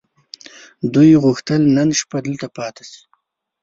دوی غوښتل نن شپه دلته پاتې شي.